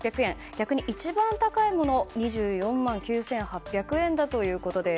逆に一番高いものは２４万９８００円ということです。